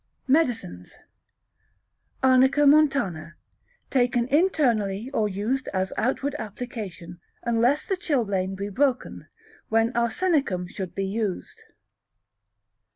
Medicines. Arnica montana, taken internally or used as outward application, unless the chilblain be broken, when arsenicum should be used.